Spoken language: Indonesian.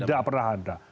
tidak pernah ada